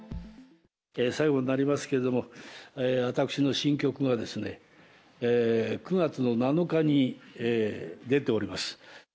最後になりますけれども、私の新曲がですね、９月７日に出ております。